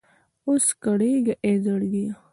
اوس کړېږه اې زړګيه!